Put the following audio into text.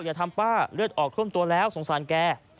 อย่าทำป้าเลือดออกท่วมตัวแล้วสงสารแก